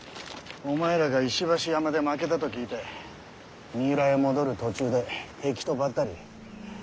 お前らが石橋山で負けたと聞いて三浦へ戻る途中で敵とばったり。